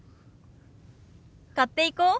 買っていこう。